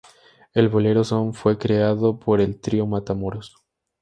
El bolero son fue creado por el Trío Matamoros.